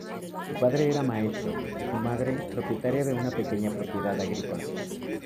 Su padre era maestro y su madre propietaria de una pequeña propiedad agrícola.